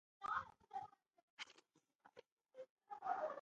ശ്വാസം വലിച്ചു വിടൂ